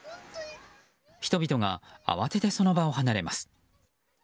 人々が慌ててその場を離れます。